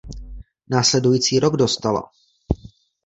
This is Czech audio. Následující rok dostala.